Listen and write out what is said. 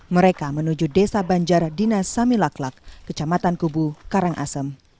mereka menuju desa banjar dinas samilaklak kecamatan kubu karangasem